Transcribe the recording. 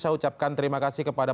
saya ucapkan terima kasih kepada